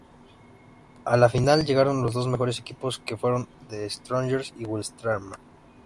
A la final llegaron los dos mejores equipos, que fueron The Strongest y Wilstermann.